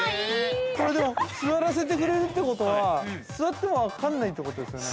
でも、座らせてくれるってことは、座っても分かんないということですね。